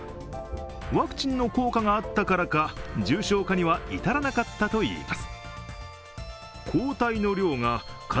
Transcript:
ワクチンの効果があったからか重症化には至らなかったといいます。